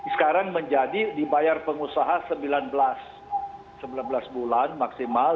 sekarang menjadi dibayar pengusaha sembilan belas bulan maksimal